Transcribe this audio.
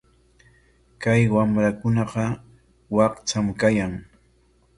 Kay wamrakunaqa wakcham kayan.